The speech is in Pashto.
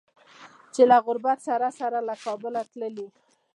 چې له غربت سره سره له کابله تللي